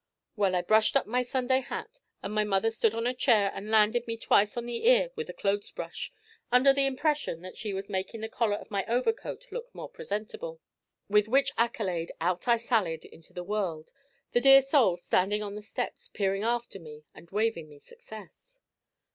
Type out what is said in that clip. Well, I brushed up my Sunday hat, and my mother stood on a chair and landed me twice on the ear with a clothes brush, under the impression that she was making the collar of my overcoat look more presentable. With which accolade out I sallied into the world, the dear soul standing on the steps, peering after me and waving me success.